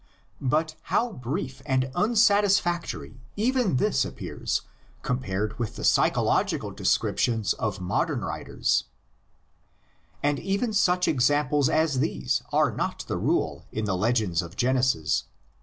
But how brief and unsatisfactory even this appears compared with the psychological descriptions of modern writers! LITERARY FORM OF THE LEGENDS. 59 And even such examples as these are not the rule in the legends of Genesis.